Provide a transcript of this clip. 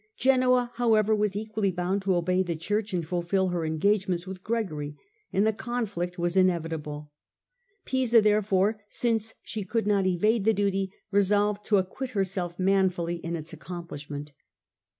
Genoa, however, was equally bound to obey the Church and fulfil her engagements with Gregory, and the conflict was inevitable. Pisa, therefore, since she could not evade the duty, resolved to acquit herself manfully in its accomplishment.